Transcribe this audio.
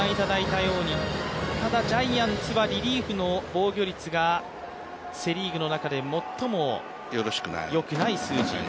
ただジャイアンツはリリーフの防御率がセ・リーグの中で最もよくない数字。